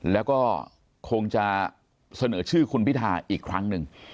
แล้วก็คงจะเสนอชื่อคุณพิธาอีกครั้งหนึ่ง